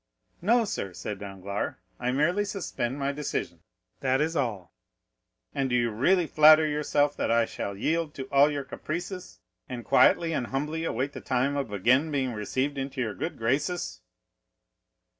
"No, sir," said Danglars; "I merely suspend my decision, that is all." "And do you really flatter yourself that I shall yield to all your caprices, and quietly and humbly await the time of again being received into your good graces?"